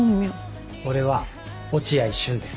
俺は落合瞬です。